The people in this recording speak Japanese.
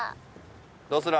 どうする？